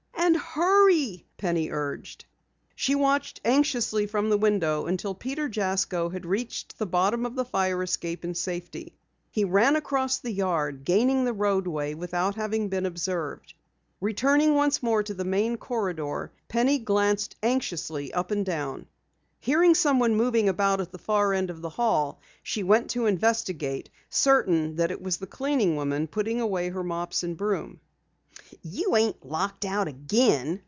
"And hurry!" Penny urged. She watched anxiously from the window until Peter Jasko had reached the bottom of the fire escape in safety. He ran across the yard, gaining the roadway without having been observed. Returning once more to the main corridor, Penny glanced anxiously up and down. Hearing someone moving about at the far end of the hall, she went to investigate, certain that it was the cleaning woman putting away her mops and broom. "You ain't locked out again?"